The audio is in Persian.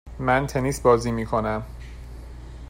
من تنیس بازی میکنم.